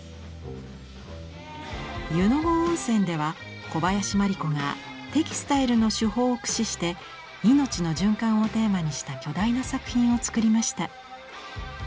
湯郷温泉では小林万里子がテキスタイルの手法を駆使して「命の循環」をテーマにした巨大な作品を作りました。